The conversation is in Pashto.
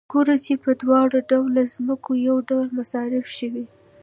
ګورو چې په دواړه ډوله ځمکو یو ډول مصارف شوي